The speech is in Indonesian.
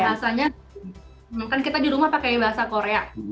rasanya kan kita di rumah pakai bahasa korea